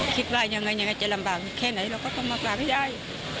คิดว่ายังไงยังไงจะลำบากแค่ไหนเราก็ต้องมากราบให้ได้